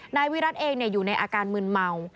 นายวิรัติเองอยู่ในอาการมืนเมา